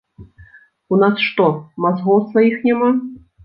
У нас што, мазгоў сваіх няма?